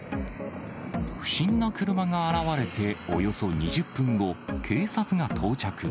不審な車が現れて、およそ２０分後、警察が到着。